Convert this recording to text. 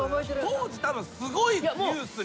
当時たぶんすごいニュースに。